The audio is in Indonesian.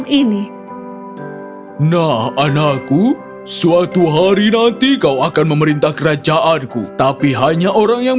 ini nah anakku suatu hari nanti kau akan memerintah kerajaanku tapi hanya orang yang